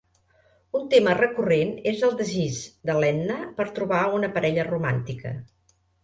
Un tema recurrent és el desig de l'Edna per trobar una parella romàntica.